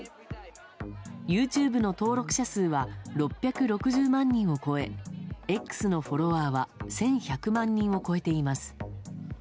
ＹｏｕＴｕｂｅの登録者数は６６０万人を超えＸのフォロワーは１１００万人を超えています。